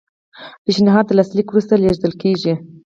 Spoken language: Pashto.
پیشنهاد د لاسلیک وروسته لیږل کیږي.